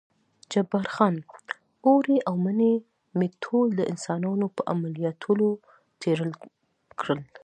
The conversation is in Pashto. جبار خان: اوړی او منی مې ټول د انسانانو په عملیاتولو تېر کړل.